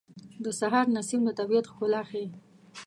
د سهار نسیم د طبیعت ښکلا ښیي.